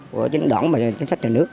của chính đoạn và chính sách trình nước